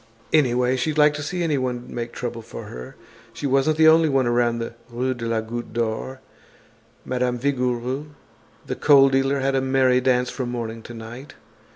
Anyway, she'd like to see anyone make trouble for her. She wasn't the only one around the Rue de la Goutte d'Or. Madame Vigouroux, the coal dealer had a merry dance from morning to night.